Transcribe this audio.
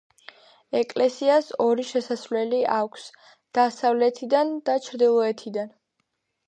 ეკლესიას ორი შესასვლელი აქვს: დასავლეთიდან და ჩრდილოეთიდან.